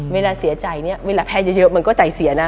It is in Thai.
เวลาเสียใจเนี่ยเวลาแพ้เยอะมันก็ใจเสียนะ